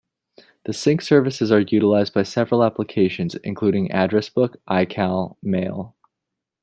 The sync services are utilized by several applications including Address Book, iCal, Mail.